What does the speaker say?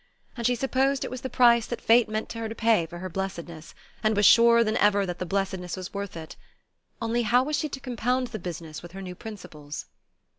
And she supposed it was the price that fate meant her to pay for her blessedness, and was surer than ever that the blessedness was worth it. Only, how was she to compound the business with her new principles?